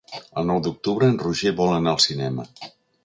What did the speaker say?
El nou d'octubre en Roger vol anar al cinema.